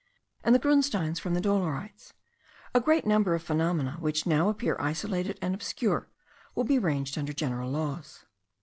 and the grunsteins from the dolerites; a great number of phenomena which now appear isolated and obscure, will be ranged under general laws.